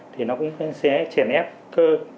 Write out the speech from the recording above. thì nó cũng sẽ chèn ép cơ